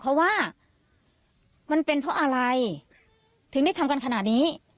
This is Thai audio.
เพราะว่ามันเป็นเพราะอะไรถึงได้ทำกันขนาดนี้